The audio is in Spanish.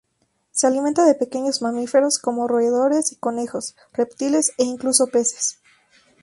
Se alimenta de pequeños mamíferos, como roedores y conejos, reptiles e incluso peces.